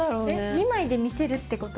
２枚で見せるってこと？